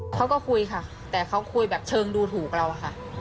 เขาก็คุยค่ะแต่เขาคุยแบบเชิงดูถูกเราอะค่ะ